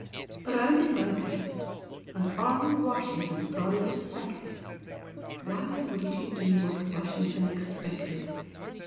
but I did my best! And all Washington thought it was settled! Why wouldn't you do what Washington expected?"